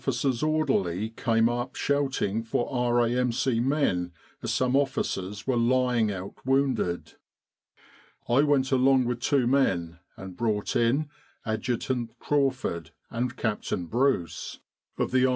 's orderly came up shouting for R.A.M.C. men as some officers were lying out wounded. I went along with two men and brought in Adjutant Crawford and Captain Bruce, A.S.